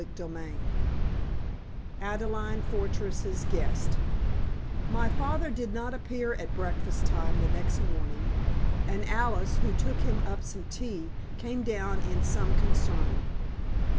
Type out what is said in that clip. CHAPTER XIV ADELAIDE FORTRESS'S GUEST My father did not appear at breakfast time the next morning, and Alice, who took him up some tea, came down in some concern.